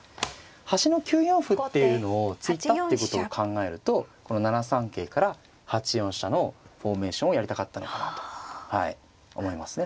端の９四歩っていうのを突いたってことを考えるとこの７三桂から８四飛車のフォーメーションをやりたかったのかなと思いますね。